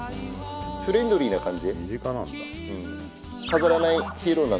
フレンドリーな感じ。